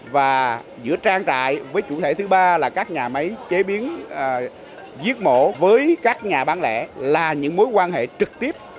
và giữa trang trại với chủ thể thứ ba là các nhà máy chế biến giết mổ với các nhà bán lẻ là những mối quan hệ trực tiếp